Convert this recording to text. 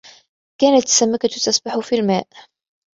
كانت السمكة تسبح في الماء.